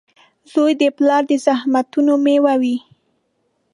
• زوی د پلار د زحمتونو مېوه وي.